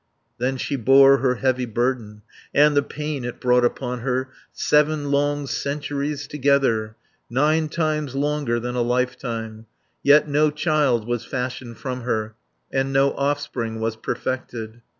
Then she bore her heavy burden, And the pain it brought upon her, Seven long centuries together, Nine times longer than a lifetime. 140 Yet no child was fashioned from her, And no offspring was perfected.